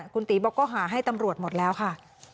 คุณตีบอกก็หาให้ตำรวจหมดแล้วค่ะ